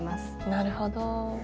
なるほど。